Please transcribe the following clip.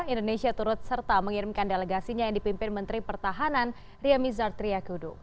indonesia turut serta mengirimkan delegasinya yang dipimpin menteri pertahanan ria mizar triakudu